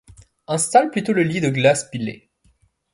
Installe plutôt le lit de glace pilée.